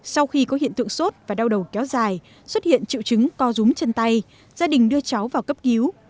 sau khi có hiện tượng sốt và đau đầu kéo dài xuất hiện triệu chứng co dúng chân tay gia đình đưa cháu vào cấp cứu